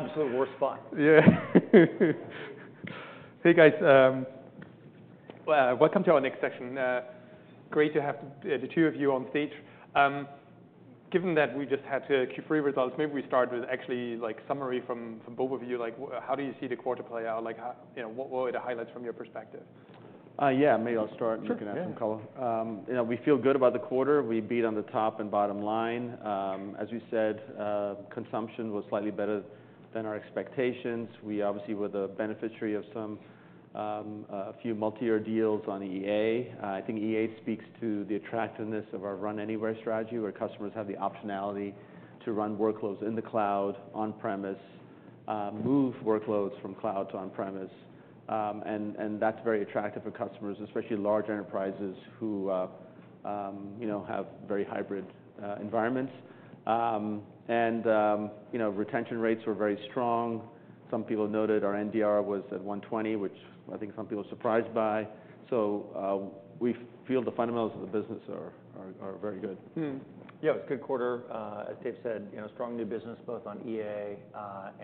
The absolute worst spot. Yeah. Hey, guys. Welcome to our next session. Great to have the two of you on stage. Given that we just had Q3 results, maybe we start with actually, like, a summary from both of you. Like, how do you see the quarter play out? Like, how, you know, what were the highlights from your perspective? Yeah. Maybe I'll start. Sure. And you can add some color. You know, we feel good about the quarter. We beat on the top and bottom line. As we said, consumption was slightly better than our expectations. We obviously were the beneficiary of some, a few multi-year deals on EA. I think EA speaks to the attractiveness of our run-anywhere strategy, where customers have the optionality to run workloads in the cloud, on-premise, move workloads from cloud to on-premise. And that's very attractive for customers, especially large enterprises who, you know, have very hybrid environments. You know, retention rates were very strong. Some people noted our NDR was at 120, which I think some people were surprised by. So, we feel the fundamentals of the business are very good. Yeah. It was a good quarter. As Dev said, you know, strong new business both on EA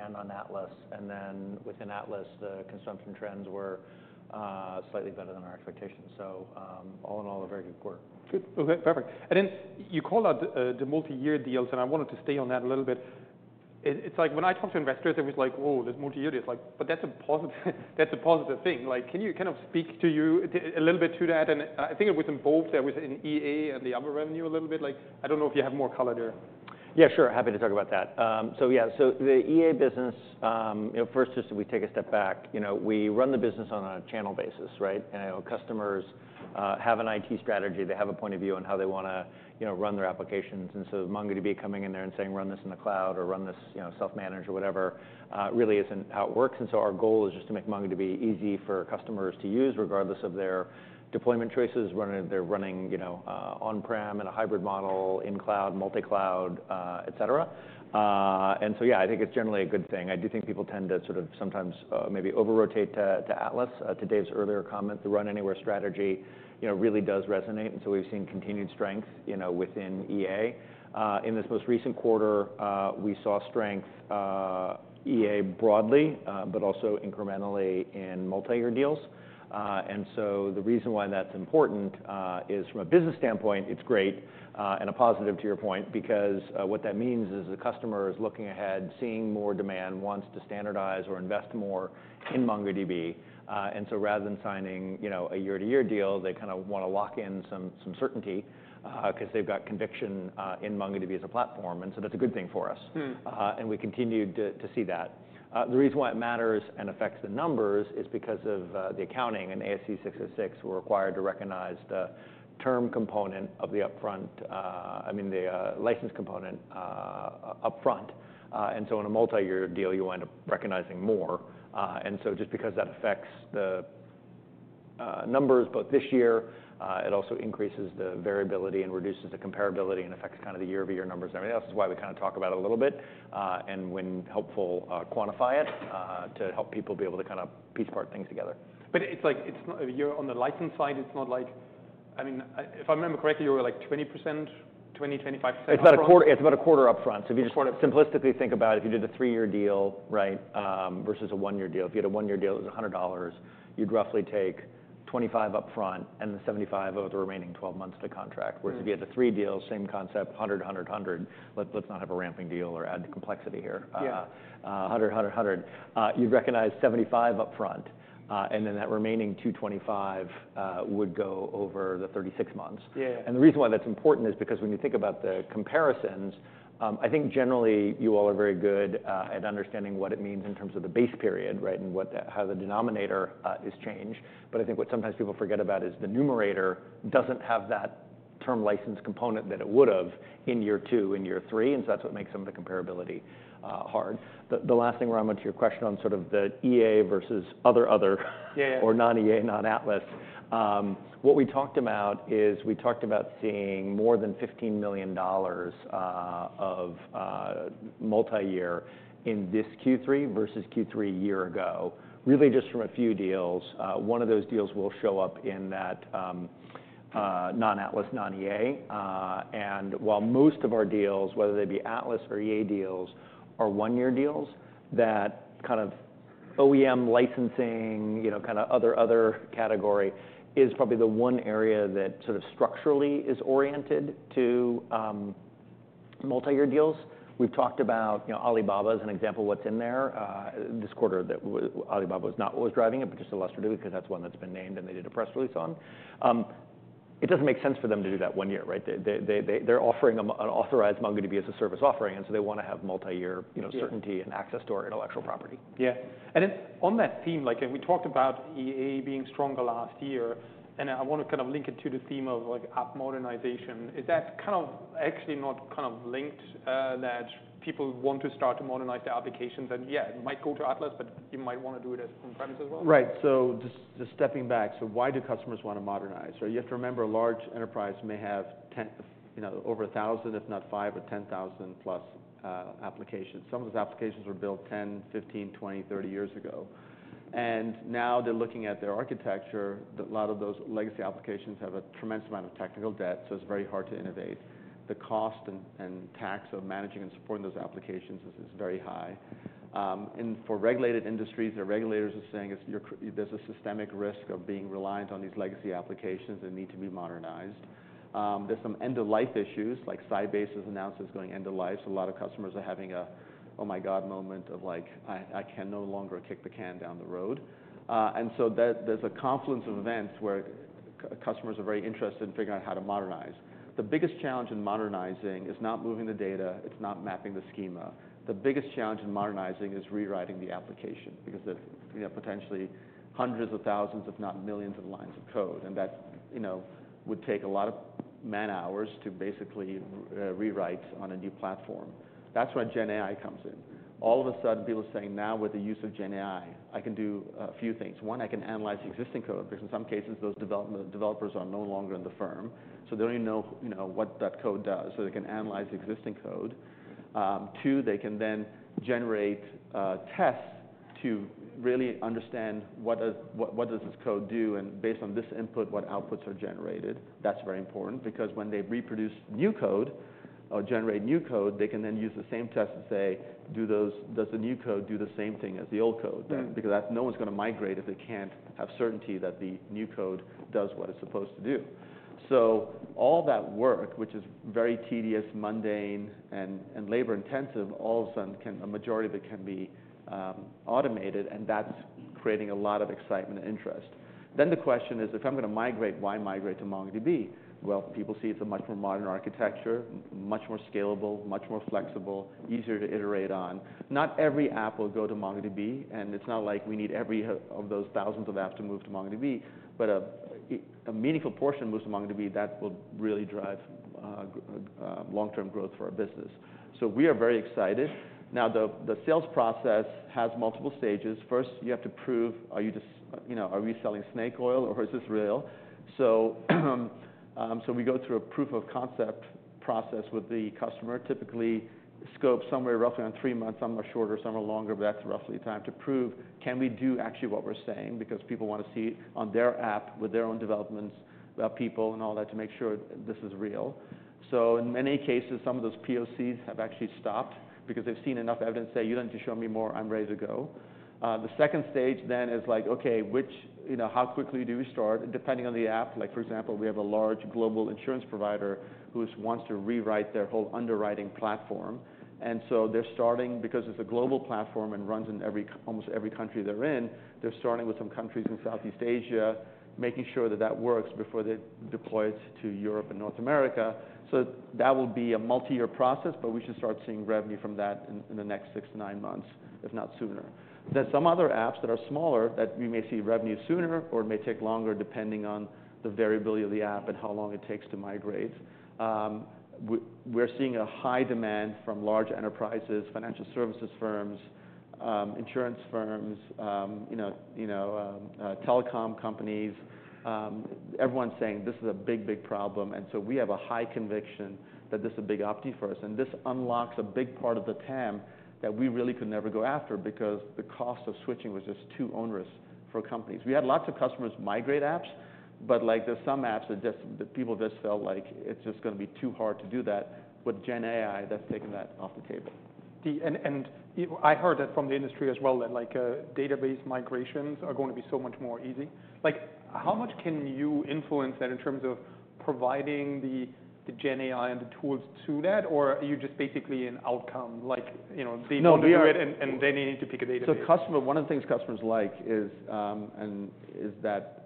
and on Atlas, and then within Atlas, the consumption trends were slightly better than our expectations. So, all in all, a very good quarter. Good. Okay. Perfect. And then you called out the multi-year deals, and I wanted to stay on that a little bit. It, it's like when I talk to investors, it was like, "Whoa, there's multi-year deals." Like, but that's a positive thing. Like, can you kind of speak to that a little bit? And I think it was in both, there was in EA and the other revenue a little bit. Like, I don't know if you have more color there. Yeah. Sure. Happy to talk about that. So yeah. So the EA business, you know, first, just we take a step back. You know, we run the business on a channel basis, right? You know, customers have an IT strategy. They have a point of view on how they wanna, you know, run their applications. And so MongoDB coming in there and saying, "Run this in the cloud," or, "Run this, you know, self-managed," or whatever, really isn't how it works. And so our goal is just to make MongoDB easy for customers to use, regardless of their deployment choices, whether they're running, you know, on-prem in a hybrid model, in cloud, multi-cloud, etc., and so yeah, I think it's generally a good thing. I do think people tend to sort of sometimes, maybe over-rotate to Atlas. To Dev's earlier comment, the run-anywhere strategy, you know, really does resonate. And so we've seen continued strength, you know, within EA. In this most recent quarter, we saw strength, EA broadly, but also incrementally in multi-year deals. And so the reason why that's important is from a business standpoint, it's great, and a positive to your point, because what that means is the customer is looking ahead, seeing more demand, wants to standardize or invest more in MongoDB. And so rather than signing, you know, a year-to-year deal, they kind of wanna lock in some certainty, 'cause they've got conviction in MongoDB as a platform. And so that's a good thing for us. And we continue to see that. The reason why it matters and affects the numbers is because of the accounting and ASC 606 were required to recognize the term component of the upfront, I mean, the license component, upfront. And so in a multi-year deal, you end up recognizing more. And so just because that affects the numbers both this year, it also increases the variability and reduces the comparability and affects kind of the year-to-year numbers and everything else, is why we kind of talk about it a little bit, and when helpful, quantify it, to help people be able to kind of piece part things together. But it's like, it's not. You're on the license side. It's not like, I mean, if I remember correctly, you were like 20%-25% upfront. It's about a quarter upfront. So if you just. Quarter. Simplistically think about it, if you did a three-year deal, right, versus a one-year deal, if you had a one-year deal that was $100, you'd roughly take $25 upfront and the $75 over the remaining 12 months of the contract. Yeah. Whereas if you had the three deals, same concept, 100, 100, 100, let's not have a ramping deal or add complexity here. Yeah. $100, $100, $100. You'd recognize $75 upfront, and then that remaining $225, would go over the 36 months. Yeah. And the reason why that's important is because when you think about the comparisons, I think generally you all are very good at understanding what it means in terms of the base period, right, and what the how the denominator is changed. But I think what sometimes people forget about is the numerator doesn't have that term license component that it would have in year two and year three. And so that's what makes some of the comparability hard. The last thing, Rama, to your question on sort of the EA versus other. Yeah. Yeah. Or non-EA, non-Atlas. What we talked about is we talked about seeing more than $15 million of multi-year in this Q3 versus Q3 a year ago, really just from a few deals. One of those deals will show up in that non-Atlas, non-EA. While most of our deals, whether they be Atlas or EA deals, are one-year deals, that kind of OEM licensing, you know, kind of other, other category is probably the one area that sort of structurally is oriented to multi-year deals. We've talked about, you know, Alibaba as an example of what's in there. This quarter, that Alibaba was not what was driving it, but just illustratively 'cause that's one that's been named and they did a press release on. It doesn't make sense for them to do that one year, right? They're offering an authorized MongoDB as a service offering, and so they wanna have multi-year, you know. Yeah. Certainty and access to our intellectual property. Yeah, and then on that theme, like, and we talked about EA being stronger last year, and I wanna kind of link it to the theme of, like, app modernization. Is that kind of actually not kind of linked, that people want to start to modernize their applications and, yeah, it might go to Atlas, but you might wanna do it as on-premise as well? Right, so just stepping back, so why do customers wanna modernize? You have to remember a large enterprise may have 10, you know, over 1,000, if not five or 10,000-plus, applications. Some of those applications were built 10, 15, 20, 30 years ago. Now they're looking at their architecture. A lot of those legacy applications have a tremendous amount of technical debt, so it's very hard to innovate. The cost and tax of managing and supporting those applications is very high, and for regulated industries, their regulators are saying it's your there's a systemic risk of being reliant on these legacy applications that need to be modernized. There's some end-of-life issues, like Sybase has announced it's going end-of-life, so a lot of customers are having a, "Oh my God," moment of like, "I, I can no longer kick the can down the road." And so there's a confluence of events where customers are very interested in figuring out how to modernize. The biggest challenge in modernizing is not moving the data. It's not mapping the schema. The biggest challenge in modernizing is rewriting the application because there's, you know, potentially hundreds of thousands, if not millions of lines of code, and that, you know, would take a lot of man-hours to basically rewrite on a new platform. That's where GenAI comes in. All of a sudden, people are saying, "Now with the use of GenAI, I can do a few things." One, I can analyze existing code because in some cases, those developers are no longer in the firm, so they only know, you know, what that code does. So they can analyze existing code. Two, they can then generate tests to really understand what does what, what does this code do, and based on this input, what outputs are generated. That's very important because when they reproduce new code or generate new code, they can then use the same test to say, "Does the new code do the same thing as the old code? Yeah. Because that no one's gonna migrate if they can't have certainty that the new code does what it's supposed to do. So all that work, which is very tedious, mundane, and labor-intensive, all of a sudden a majority of it can be automated, and that's creating a lot of excitement and interest. Then the question is, if I'm gonna migrate, why migrate to MongoDB? Well, people see it's a much more modern architecture, much more scalable, much more flexible, easier to iterate on. Not every app will go to MongoDB, and it's not like we need every of those thousands of apps to move to MongoDB, but a meaningful portion moves to MongoDB that will really drive long-term growth for our business. So we are very excited. Now, the sales process has multiple stages. First, you have to prove, are you just, you know, are we selling snake oil or is this real? So we go through a proof-of-concept process with the customer, typically scoped somewhere roughly on three months. Some are shorter, some are longer, but that's roughly time to prove, can we do actually what we're saying? Because people wanna see it on their app with their own developments, people and all that to make sure this is real. So in many cases, some of those POCs have actually stopped because they've seen enough evidence to say, "You don't need to show me more. I'm ready to go." The second stage then is like, "Okay, which, you know, how quickly do we start?" And depending on the app, like, for example, we have a large global insurance provider who wants to rewrite their whole underwriting platform. And so they're starting because it's a global platform and runs in almost every country they're in. They're starting with some countries in Southeast Asia, making sure that works before they deploy it to Europe and North America. So that will be a multi-year process, but we should start seeing revenue from that in the next six to nine months, if not sooner. Then some other apps that are smaller that we may see revenue sooner or may take longer depending on the variability of the app and how long it takes to migrate. We're seeing a high demand from large enterprises, financial services firms, insurance firms, you know, you know, telecom companies. Everyone's saying this is a big, big problem. And so we have a high conviction that this is a big opt-in for us. This unlocks a big part of the TAM that we really could never go after because the cost of switching was just too onerous for companies. We had lots of customers migrate apps, but, like, there's some apps that just the people just felt like it's just gonna be too hard to do that. With GenAI, that's taken that off the table. I heard that from the industry as well that, like, database migrations are gonna be so much more easy. Like, how much can you influence that in terms of providing the GenAI and the tools to that, or are you just basically an outcome? Like, you know, they know. No. You do it, and then you need to pick a database. So, one of the things customers like is that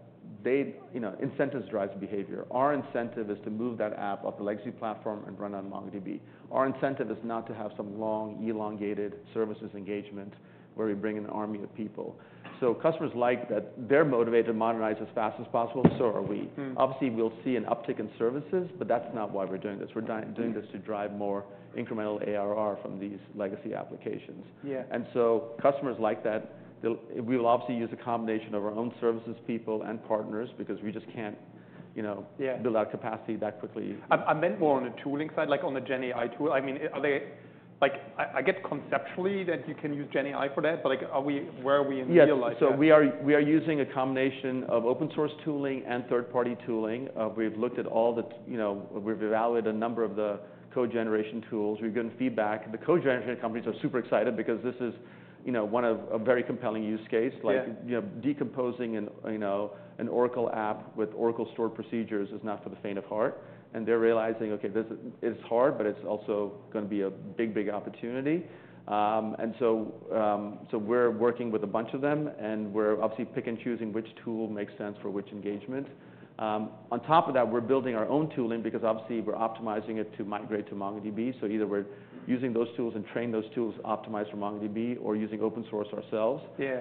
they, you know, incentives drive behavior. Our incentive is to move that app off the legacy platform and run on MongoDB. Our incentive is not to have some long, elongated services engagement where we bring an army of people. So customers like that they're motivated to modernize as fast as possible, so are we. Obviously, we'll see an uptick in services, but that's not why we're doing this. We're doing this to drive more incremental ARR from these legacy applications. Yeah. And so customers like that. We'll obviously use a combination of our own services, people and partners because we just can't, you know. Yeah. Build out capacity that quickly. I'm meant more on the tooling side, like on the GenAI tool. I mean, are they like, I get conceptually that you can use GenAI for that, but, like, where are we in real life? Yeah. So we are using a combination of open-source tooling and third-party tooling. We've looked at all the, you know, we've evaluated a number of the code generation tools. We've given feedback. The code generation companies are super excited because this is, you know, one of a very compelling use case. Yeah. Like, you know, decomposing an, you know, an Oracle app with Oracle stored procedures is not for the faint of heart, and they're realizing, okay, this is, it's hard, but it's also gonna be a big, big opportunity, and so, so we're working with a bunch of them, and we're obviously picking and choosing which tool makes sense for which engagement. On top of that, we're building our own tooling because obviously we're optimizing it to migrate to MongoDB, so either we're using those tools and train those tools optimized for MongoDB or using open-source ourselves. Yeah.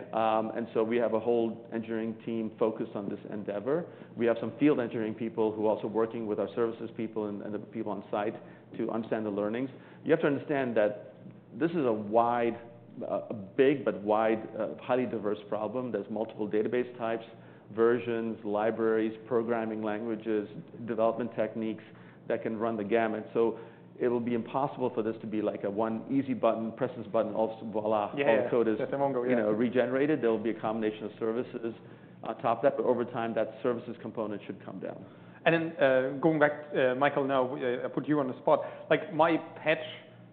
And so we have a whole engineering team focused on this endeavor. We have some field engineering people who are also working with our services people and the people on site to understand the learnings. You have to understand that this is a big but wide, highly diverse problem. There's multiple database types, versions, libraries, programming languages, development techniques that can run the gamut. So it'll be impossible for this to be like a one easy button, press this button, and voilà. Yeah. All the code is. At the MongoDB. You know, regenerated. There'll be a combination of services on top of that, but over time, that services component should come down. And then, going back, Michael, now, I put you on the spot. Like, my pet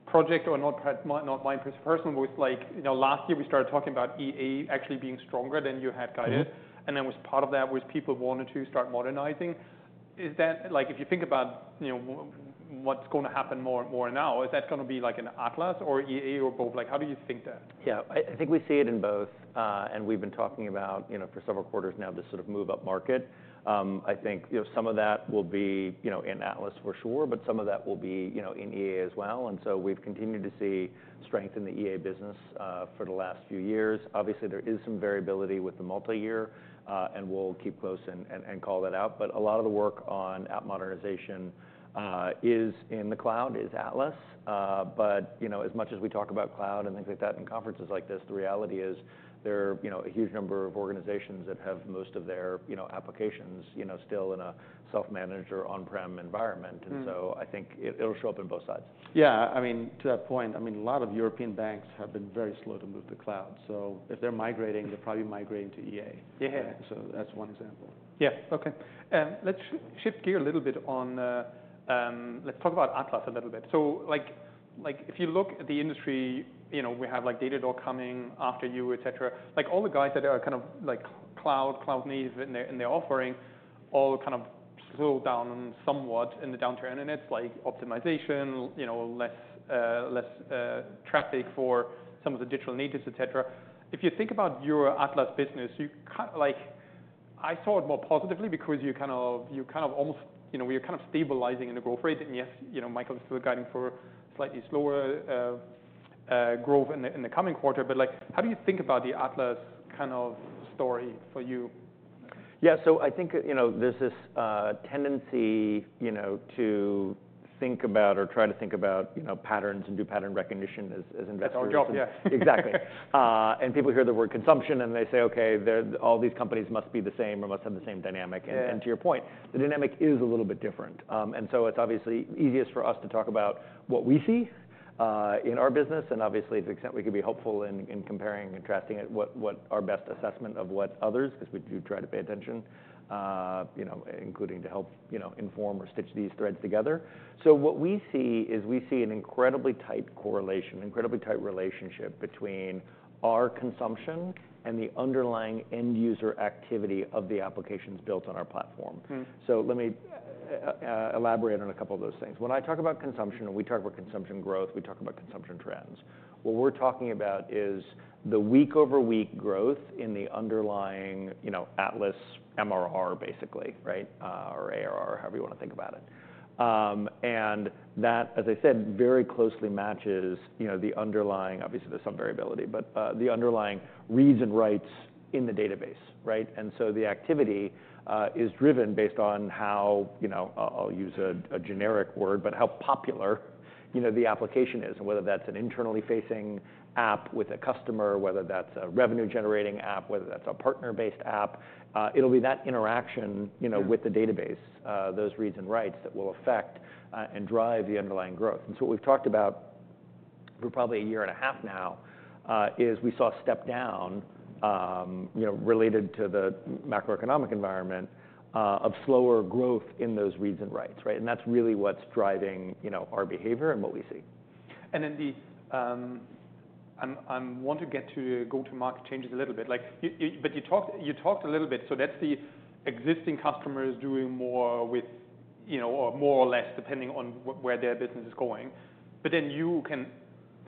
project, or not pet, not my personal, was like, you know, last year we started talking about EA actually being stronger than you had guided. Yeah. And then it was part of that was people wanted to start modernizing. Is that like, if you think about, you know, what's gonna happen more and more now, is that gonna be like an Atlas or EA or both? Like, how do you think that? Yeah. I think we see it in both. And we've been talking about, you know, for several quarters now, this sort of move-up market. I think, you know, some of that will be, you know, in Atlas for sure, but some of that will be, you know, in EA as well. And so we've continued to see strength in the EA business, for the last few years. Obviously, there is some variability with the multi-year, and we'll keep close and call that out. But a lot of the work on app modernization, is in the cloud, is Atlas. But, you know, as much as we talk about cloud and things like that in conferences like this, the reality is there are, you know, a huge number of organizations that have most of their, you know, applications, you know, still in a self-managed or on-prem environment. Yeah. And so I think it'll show up on both sides. Yeah. I mean, to that point, I mean, a lot of European banks have been very slow to move to cloud. So if they're migrating, they're probably migrating to EA. Yeah. Right? So that's one example. Yeah. Okay. Let's shift gear a little bit on. Let's talk about Atlas a little bit. So, like, if you look at the industry, you know, we have like Datadog coming after you, et cetera. Like, all the guys that are kind of like cloud native in their offering all kind of slowed down somewhat in the downturn, and it's like optimization, you know, less traffic for some of the digital natives, et cetera. If you think about your Atlas business, you kind of like, I saw it more positively because you kind of almost, you know, you're kind of stabilizing in the growth rate. And yes, you know, Michael is still guiding for slightly slower growth in the coming quarter. But, like, how do you think about the Atlas kind of story for you? Yeah. So I think, you know, there's this tendency, you know, to think about or try to think about, you know, patterns and do pattern recognition as investors. That's our job. Yeah. Exactly. And people hear the word consumption, and they say, "Okay, they're all these companies must be the same or must have the same dynamic. Yeah. To your point, the dynamic is a little bit different. So it's obviously easiest for us to talk about what we see in our business, and obviously to the extent we could be helpful in comparing and contrasting it, what our best assessment of what others 'cause we do try to pay attention, you know, including to help, you know, inform or stitch these threads together. So what we see is we see an incredibly tight correlation, incredibly tight relationship between our consumption and the underlying end-user activity of the applications built on our platform. So let me elaborate on a couple of those things. When I talk about consumption, we talk about consumption growth. We talk about consumption trends. What we're talking about is the week-over-week growth in the underlying, you know, Atlas MRR, basically, right? or ARR, however you wanna think about it. And that, as I said, very closely matches, you know, the underlying. Obviously there's some variability, but the underlying reads and writes in the database, right? And so the activity is driven based on how, you know, I'll use a generic word, but how popular, you know, the application is and whether that's an internally facing app with a customer, whether that's a revenue-generating app, whether that's a partner-based app. It'll be that interaction, you know. Yeah. With the database, those reads and writes that will affect, and drive the underlying growth. And so what we've talked about for probably a year and a half now, is we saw a step down, you know, related to the macroeconomic environment, of slower growth in those reads and writes, right? And that's really what's driving, you know, our behavior and what we see. And then, I want to get to go-to-market changes a little bit. Like, but you talked a little bit. So that's the existing customers doing more with, you know, or more or less depending on where their business is going. But then you can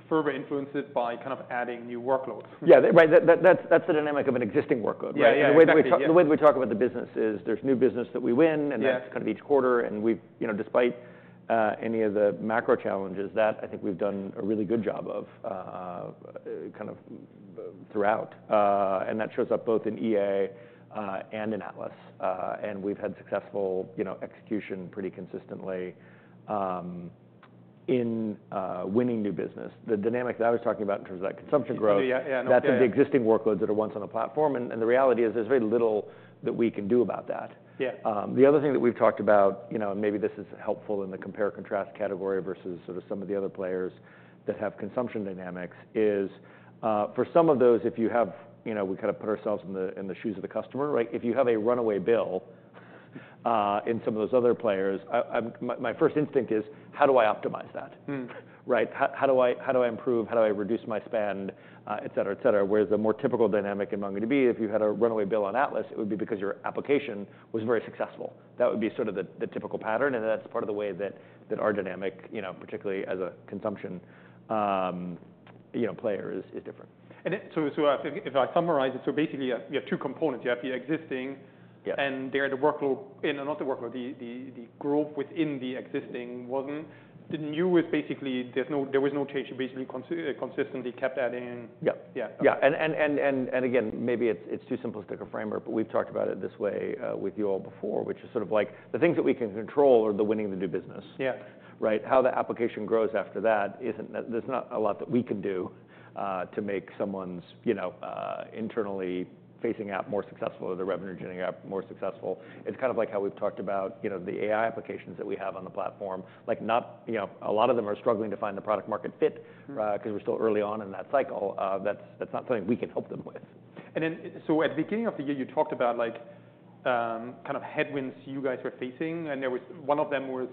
further influence it by kind of adding new workloads. Yeah. Right. That's the dynamic of an existing workload, right? Yeah. Yeah. The way that we talk about the business is, there's new business that we win. Yeah. That's kind of each quarter. We've, you know, despite any of the macro challenges that I think we've done a really good job of, kind of throughout. That shows up both in EA and in Atlas. We've had successful, you know, execution pretty consistently in winning new business. The dynamic that I was talking about in terms of that consumption growth. Yeah. Yeah. Yeah. That's of the existing workloads that are ones on the platform. And the reality is there's very little that we can do about that. Yeah. The other thing that we've talked about, you know, and maybe this is helpful in the compare-contrast category versus sort of some of the other players that have consumption dynamics is, for some of those, if you have, you know, we kind of put ourselves in the shoes of the customer, right? If you have a runaway bill, in some of those other players, my first instinct is, how do I optimize that? Right? How do I improve? How do I reduce my spend? et cetera. Whereas the more typical dynamic in MongoDB, if you had a runaway bill on Atlas, it would be because your application was very successful. That would be sort of the typical pattern. That's part of the way that our dynamic, you know, particularly as a consumption, you know, player is different. If I summarize it, basically you have two components. You have the existing. Yeah. And there are the workload growth within the existing wasn't. The new is basically there was no change. You basically consistently kept adding. Yeah. Yeah. Yeah. And again, maybe it's too simplistic a framework, but we've talked about it this way with you all before, which is sort of like the things that we can control are winning the new business. Yeah. Right? How the application grows after that isn't. There's not a lot that we can do to make someone's, you know, internally facing app more successful or the revenue-generating app more successful. It's kind of like how we've talked about, you know, the AI applications that we have on the platform. Like, not, you know, a lot of them are struggling to find the product-market fit, 'cause we're still early on in that cycle. That's not something we can help them with. And then, at the beginning of the year, you talked about, like, kind of headwinds you guys were facing. And there was one of them was,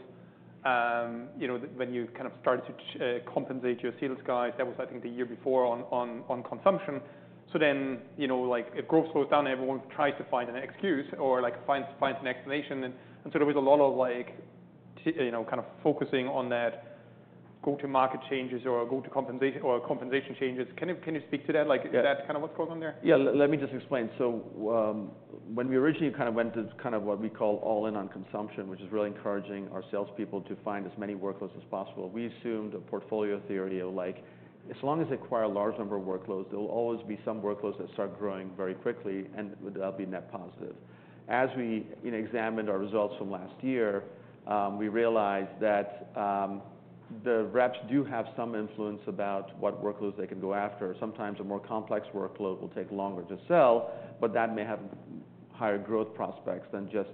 you know, when you kind of started to compensate your sales guys. That was, I think, the year before on consumption. So then, you know, like, if growth slows down, everyone tries to find an excuse or, like, finds an explanation. And so there was a lot of, like, you know, kind of focusing on that go-to-market changes or go-to-compensation or compensation changes. Can you speak to that? Like. Yeah. Is that kind of what's going on there? Yeah. Let me just explain. So, when we originally kind of went to kind of what we call all in on consumption, which is really encouraging our salespeople to find as many workloads as possible, we assumed a portfolio theory of, like, as long as they acquire a large number of workloads, there'll always be some workloads that start growing very quickly, and that'll be net positive. As we, you know, examined our results from last year, we realized that, the reps do have some influence about what workloads they can go after. Sometimes a more complex workload will take longer to sell, but that may have higher growth prospects than just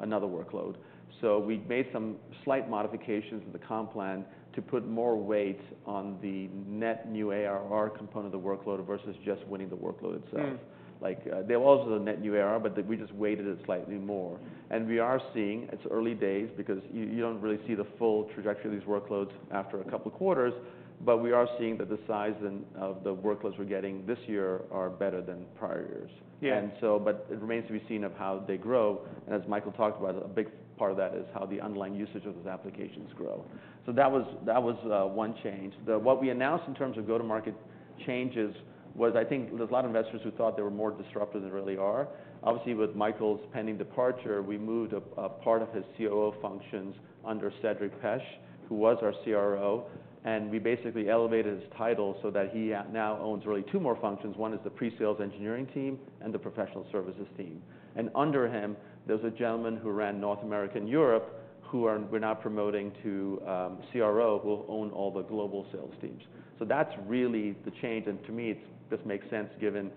another workload. So we made some slight modifications to the comp plan to put more weight on the net new ARR component of the workload versus just winning the workload itself. Like, there was a net new ARR, but we just weighted it slightly more. And we are seeing it's early days because you don't really see the full trajectory of these workloads after a couple of quarters, but we are seeing that the size of the workloads we're getting this year are better than prior years. Yeah. It remains to be seen how they grow. As Michael talked about, a big part of that is how the underlying usage of those applications grow. That was one change. What we announced in terms of go-to-market changes was, I think there's a lot of investors who thought they were more disruptive than they really are. Obviously, with Michael's pending departure, we moved a part of his COO functions under Cedric Pech, who was our CRO. We basically elevated his title so that he now owns really two more functions. One is the pre-sales engineering team and the professional services team. Under him, there's a gentleman who ran North America and Europe who we're now promoting to CRO who will own all the global sales teams. That's really the change. And, to me, it's this makes sense given,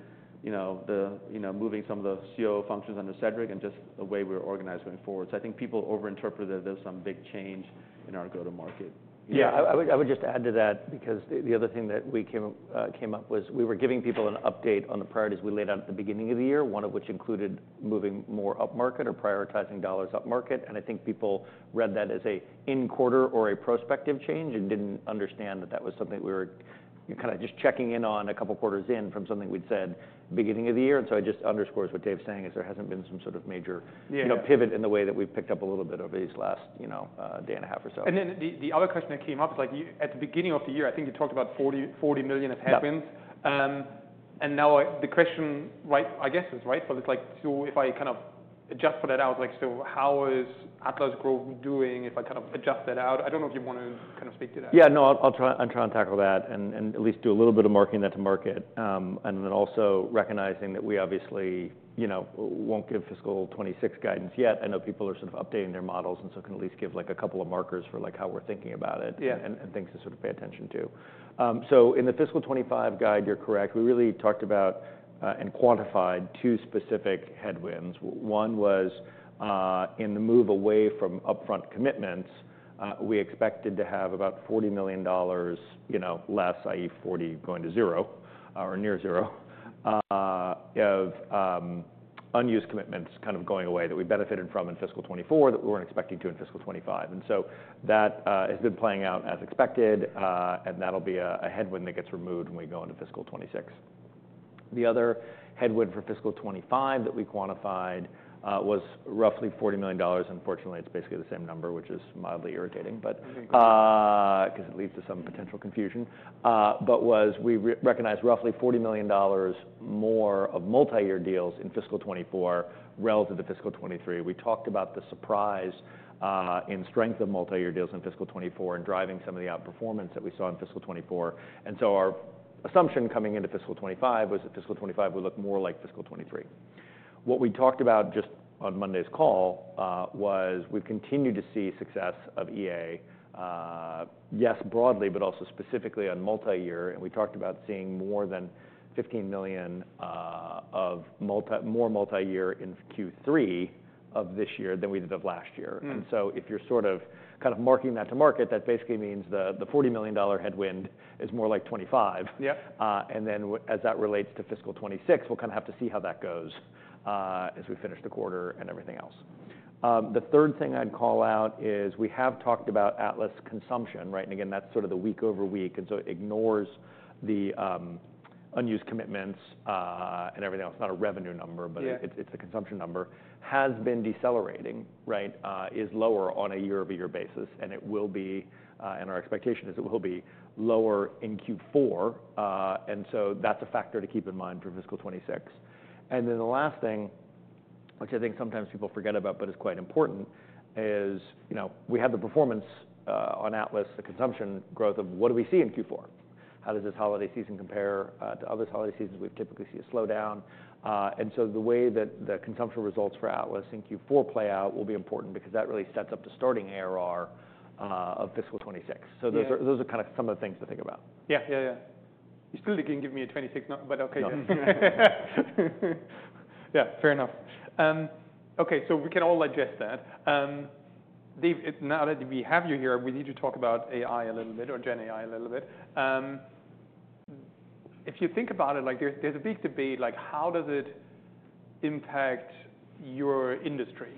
you know, the, you know, moving some of the COO functions under Cedric and just the way we're organized going forward. So, I think people over-interpreted there's some big change in our go-to-market. Yeah. Yeah. I would just add to that because the other thing that came up was we were giving people an update on the priorities we laid out at the beginning of the year, one of which included moving more up-market or prioritizing dollars up-market. And I think people read that as an in-quarter or a prospective change and didn't understand that that was something that we were kind of just checking in on a couple quarters in from something we'd said beginning of the year. And so it just underscores what Dev's saying is there hasn't been some sort of major. Yeah. You know, pivot in the way that we've picked up a little bit over these last, you know, day and a half or so. Then the other question that came up is, like, you at the beginning of the year. I think you talked about $40 million of headwinds. Yeah. And now to the question, right? I guess it's right for this, like, so if I kind of adjust that out, like, so how is Atlas growth doing if I kind of adjust that out? I don't know if you wanna kind of speak to that. Yeah. No, I'll try and tackle that and at least do a little bit of marketing that to market, and then also recognizing that we obviously, you know, won't give fiscal 2026 guidance yet. I know people are sort of updating their models, and so can at least give, like, a couple of markers for, like, how we're thinking about it. Yeah. Things to sort of pay attention to. So in the fiscal 2025 guide, you're correct. We really talked about and quantified two specific headwinds. One was, in the move away from upfront commitments, we expected to have about $40 million, you know, less, i.e., 40 going to zero, or near zero, of unused commitments kind of going away that we benefited from in fiscal 2024 that we weren't expecting to in fiscal 2025, so that has been playing out as expected. That'll be a headwind that gets removed when we go into fiscal 2026. The other headwind for fiscal 2025 that we quantified was roughly $40 million. Unfortunately, it's basically the same number, which is mildly irritating, but. Okay. Because it leads to some potential confusion. But what we re-recognized roughly $40 million more of multi-year deals in fiscal 2024 relative to fiscal 2023. We talked about the surprising strength of multi-year deals in fiscal 2024 and driving some of the outperformance that we saw in fiscal 2024. So our assumption coming into fiscal 2025 was that fiscal 2025 would look more like fiscal 2023. What we talked about just on Monday's call was we've continued to see success of EA, yes, broadly, but also specifically on multi-year. And we talked about seeing more than $15 million of multi-year in Q3 of this year than we did of last year. And so if you're sort of kind of marking that to market, that basically means the $40 million headwind is more like $25 million. Yeah. And then as that relates to fiscal 2026, we'll kind of have to see how that goes, as we finish the quarter and everything else. The third thing I'd call out is we have talked about Atlas consumption, right? And again, that's sort of the week-over-week. And so it ignores the unused commitments, and everything else. Not a revenue number. Yeah. But it's a consumption number. It has been decelerating, right? It is lower on a year-over-year basis. It will be, and our expectation is it will be lower in Q4. So that's a factor to keep in mind for fiscal 26. Then the last thing, which I think sometimes people forget about but is quite important, is, you know, we have the performance on Atlas, the consumption growth. What do we see in Q4? How does this holiday season compare to other holiday seasons? We typically see a slowdown. So the way that the consumption results for Atlas in Q4 play out will be important because that really sets up the starting ARR of fiscal 26. Yeah. So those are kind of some of the things to think about. Yeah. Yeah. Yeah. You still didn't give me a 26, but okay. No. Yeah. Fair enough. Okay. So we can all address that. Dev, now that we have you here, we need to talk about AI a little bit or GenAI a little bit. If you think about it, like, there's a big debate, like, how does it impact your industry?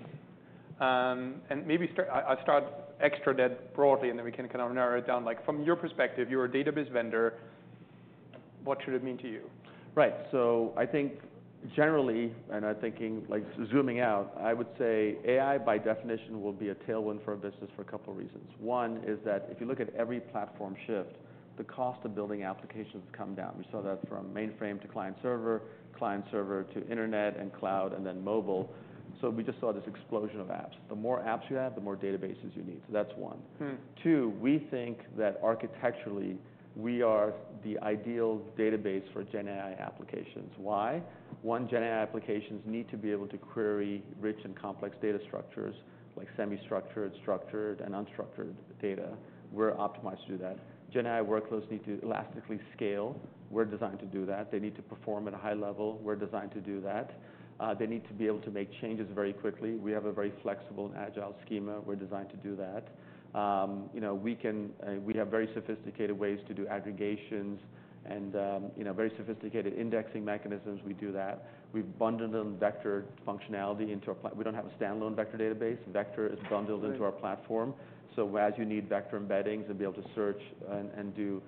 And maybe start. I start tech debt broadly, and then we can kind of narrow it down. Like, from your perspective, you're a database vendor. What should it mean to you? Right. So I think generally, and I'm thinking, like, zooming out, I would say AI by definition will be a tailwind for a business for a couple of reasons. One is that if you look at every platform shift, the cost of building applications has come down. We saw that from mainframe to client server, client server to internet and cloud, and then mobile. So we just saw this explosion of apps. The more apps you have, the more databases you need. So that's one. Two, we think that architecturally, we are the ideal database for GenAI applications. Why? One, GenAI applications need to be able to query rich and complex data structures, like semi-structured, structured, and unstructured data. We're optimized to do that. GenAI workloads need to elastically scale. We're designed to do that. They need to perform at a high level. We're designed to do that. They need to be able to make changes very quickly. We have a very flexible and agile schema. We're designed to do that. You know, we can. We have very sophisticated ways to do aggregations and, you know, very sophisticated indexing mechanisms. We do that. We've bundled in vector functionality into our platform. We don't have a standalone vector database. Vector is bundled into our platform. So as you need vector embeddings and be able to search and do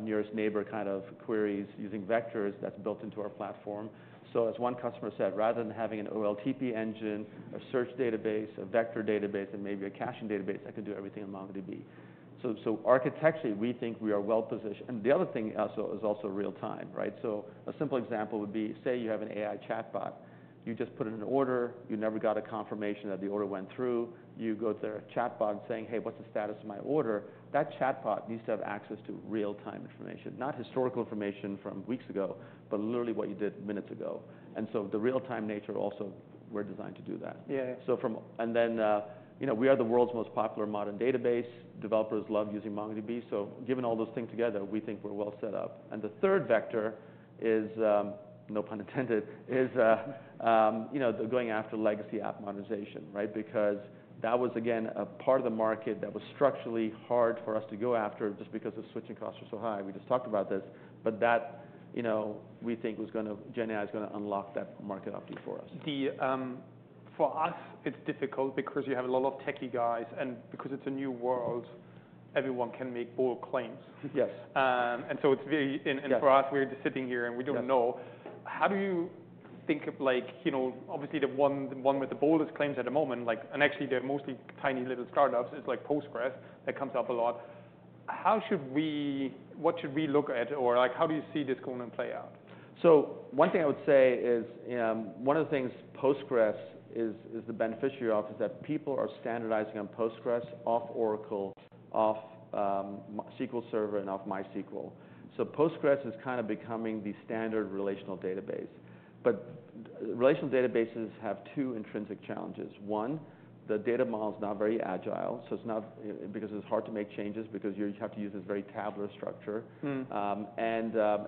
nearest neighbor kind of queries using vectors, that's built into our platform. So as one customer said, rather than having an OLTP engine, a search database, a vector database, and maybe a caching database, I could do everything in MongoDB. So architecturally, we think we are well-positioned. The other thing is real-time, right? So a simple example would be, say you have an AI chatbot. You just put in an order. You never got a confirmation that the order went through. You go to the chatbot and saying, "Hey, what's the status of my order?" That chatbot needs to have access to real-time information, not historical information from weeks ago, but literally what you did minutes ago, and so the real-time nature also, we're designed to do that. Yeah. Yeah. So from and then, you know, we are the world's most popular modern database. Developers love using MongoDB. So given all those things together, we think we're well set up. And the third vector is, no pun intended, you know, the going after legacy app modernization, right? Because that was, again, a part of the market that was structurally hard for us to go after just because the switching costs were so high. We just talked about this. But that, you know, we think was gonna GenAI is gonna unlock that market opportunity for us. For us, it's difficult because you have a lot of techie guys. And because it's a new world, everyone can make bold claims. Yes. and so it's very, and for us, we're just sitting here and we don't know. Yeah. How do you think of, like, you know, obviously the one with the boldest claims at the moment, like, and actually they're mostly tiny little startups. It's like Postgres that comes up a lot. How should we, what should we look at or, like, how do you see this going to play out? One thing I would say is one of the things Postgres is the beneficiary of is that people are standardizing on Postgres off Oracle, off SQL Server, and off MySQL. Postgres is kind of becoming the standard relational database. Relational databases have two intrinsic challenges. One, the data model's not very agile. It's not because it's hard to make changes because you have to use this very tabular structure, and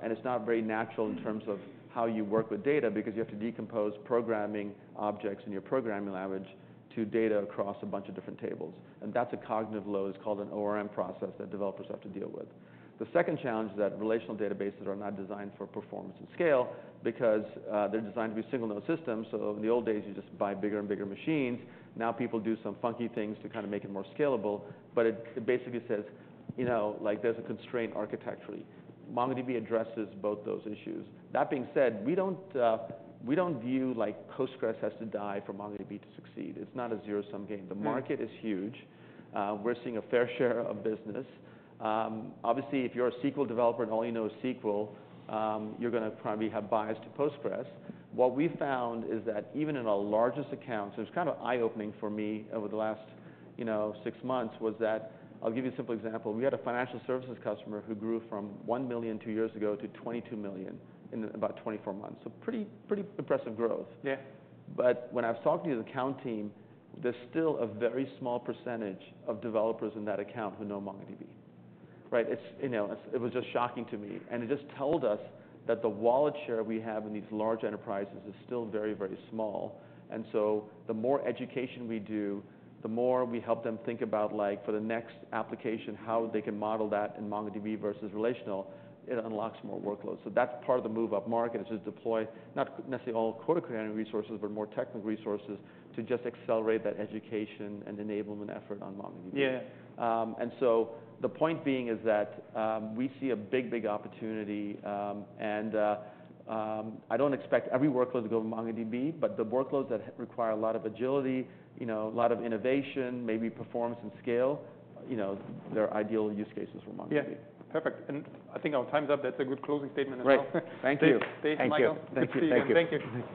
it's not very natural in terms of how you work with data because you have to decompose programming objects in your programming language to data across a bunch of different tables. That's a cognitive load. It's called an ORM process that developers have to deal with. The second challenge is that relational databases are not designed for performance and scale because they're designed to be single-node systems. So in the old days, you just buy bigger and bigger machines. Now people do some funky things to kind of make it more scalable. But it, it basically says, you know, like, there's a constraint architecturally. MongoDB addresses both those issues. That being said, we don't, we don't view, like, Postgres has to die for MongoDB to succeed. It's not a zero-sum game. The market is huge. We're seeing a fair share of business. Obviously, if you're a SQL developer and all you know is SQL, you're gonna probably have bias to Postgres. What we found is that even in our largest accounts, it was kind of eye-opening for me over the last, you know, six months was that I'll give you a simple example. We had a financial services customer who grew from $1 million two years ago to $22 million in about 24 months. So pretty, pretty impressive growth. Yeah. But when I was talking to the account team, there's still a very small percentage of developers in that account who know MongoDB, right? It's, you know, it was just shocking to me. And it just told us that the wallet share we have in these large enterprises is still very, very small. And so the more education we do, the more we help them think about, like, for the next application, how they can model that in MongoDB versus relational, it unlocks more workloads. So that's part of the move upmarket, is to deploy not necessarily all quota-creating resources, but more technical resources to just accelerate that education and enablement effort on MongoDB. Yeah. And so the point being is that, we see a big, big opportunity. And I don't expect every workload to go to MongoDB, but the workloads that require a lot of agility, you know, a lot of innovation, maybe performance and scale, you know, they're ideal use cases for MongoDB. Yeah. Perfect. And I think our time's up. That's a good closing statement as well. Great. Thank you. Dev, Dev Michael. Thank you. Thank you. Thank you.